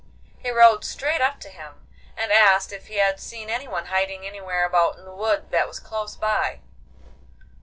He rode straight up to him, and asked if he had seen anyone hiding anywhere about in a wood that was close by.